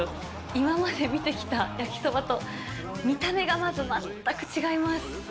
今まで見てきた焼きそばと見た目が全く違います。